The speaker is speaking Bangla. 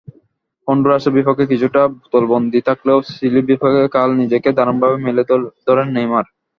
হন্ডুরাসের বিপক্ষে কিছুটা বোতলবন্দী থাকলেও চিলির বিপক্ষে কাল নিজেকে দারুণভাবেই মেলে ধরেন নেইমার।